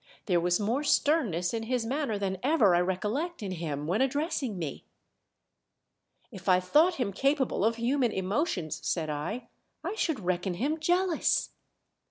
There was more sternness in his manner than ever I recollect in him when addressing me." " If I thought him capable of human emotions," said I, "I should reckon him jealous."